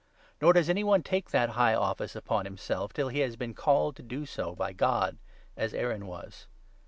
Nor does any 4 one take that high office upon himself, till he has been called to do so by God, as Aaron was.